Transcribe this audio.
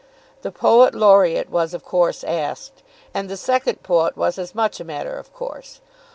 The poet laureate was of course asked, and the second poet was as much a matter of course.